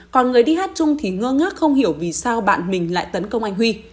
còn người đi hát chung thì ngơ ngác không hiểu vì sao bạn mình lại tấn công anh huy